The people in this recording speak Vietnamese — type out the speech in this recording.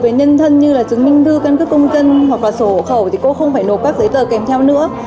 với nhân thân như là chứng minh thư căn cước công dân hoặc là sổ hộ khẩu thì cô không phải nộp các giấy tờ kèm theo nữa